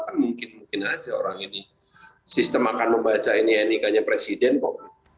kan mungkin mungkin aja orang ini sistem akan membaca ini nik nya presiden kok